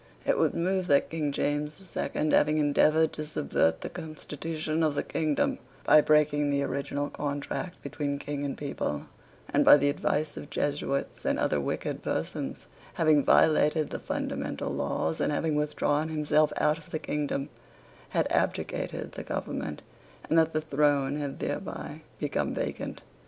It was moved that King James the Second, having endeavoured to subvert the constitution of the kingdom by breaking the original contract between King and people, and, by the advice of Jesuits and other wicked persons, having violated the fundamental laws, and having withdrawn himself out of the kingdom, had abdicated the government, and that the throne had thereby become vacant.